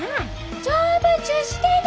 成仏してね。